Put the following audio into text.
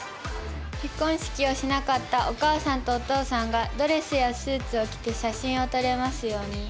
結婚式をしなかったお母さんとお父さんがドレスやスーツを着て写真を撮れますように。